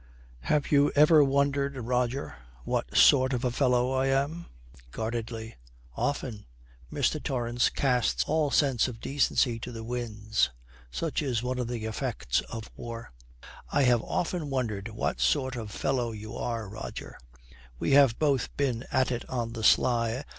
'Have you ever wondered, Roger, what sort of a fellow I am?' Guardedly, 'Often.' Mr. Torrance casts all sense of decency to the winds; such is one of the effects of war. 'I have often wondered what sort of fellow you are, Roger. We have both been at it on the sly.